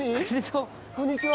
こんにちは。